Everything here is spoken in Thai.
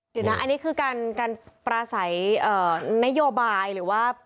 เดี๋ยวนะอันนี้คือการปราศัยนโยบายหรือว่า